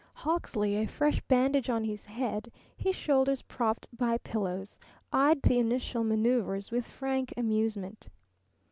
Hawksley, a fresh bandage on his head, his shoulders propped by pillows, eyed the initial manoeuvres with frank amusement.